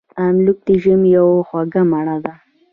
املوک د ژمي یوه خوږه میوه ده.